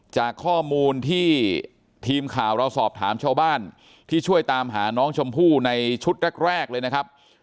จากข้อมูลที่ทีมข่าวเราสอบถามชาวบ้านที่ช่วยตามหาน้องชมพู่ในชุดแรกเลยนะครับ